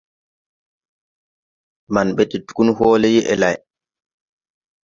Man ɓɛ de tugun hɔɔlɛ yɛʼ lay.